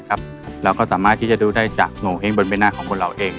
เราก็สามารถที่จะดูได้จากโง่เองบนใบหน้าของคนเราเอง